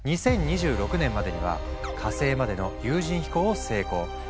２０２６年までには火星までの有人飛行を成功